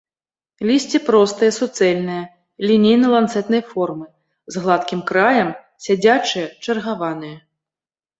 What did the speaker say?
Лісце простае, суцэльнае, лінейна-ланцэтнай формы, з гладкім краем, сядзячае, чаргаванае.